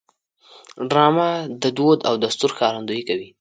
ډرامه د دود او دستور ښکارندویي کوي